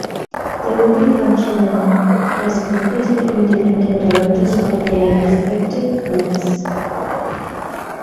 They will be function as completely independent directors of their respective labs.